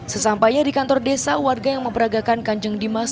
sesampainya di kantor desa warga yang memperagakan kanjeng dimas